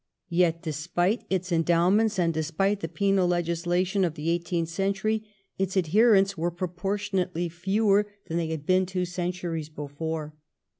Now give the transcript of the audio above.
Yet despite its endowments, and despite the penal legislation of the eighteenth century, its adherents were propoi tionately fewer than they had been two centuries before.